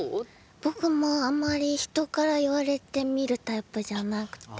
僕もあんまり人から言われて見るタイプじゃなくて。